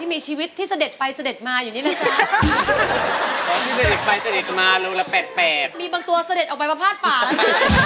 มีบางตัวเสด็จออกไปประพาทป่านะ